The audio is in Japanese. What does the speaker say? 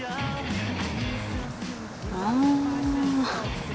ああ。